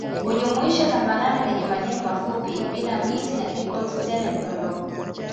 Hujumuisha tambarare lenye majani mafupi bila miti na dicot tele ndogondogo